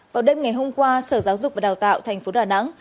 vào đêm ngày hôm qua sở giáo dục và đào tạo tp đà nẵng